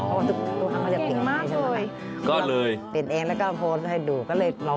ดนตรีแฮกกับกีตาร์แบบที่เราขึ้นสายไว้ไฮกับคุณลูก